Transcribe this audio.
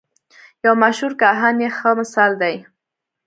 یو مشهور کاهن یې ښه مثال دی.